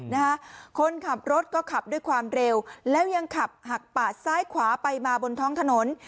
นะคะคนขับรถก็ขับด้วยความเร็วแล้วยังขับหักปาดซ้ายขวาไปมาบนท้องถนน